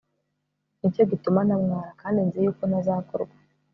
ni cyo gituma ntamwara … kandi nzi yuko ntazakorwa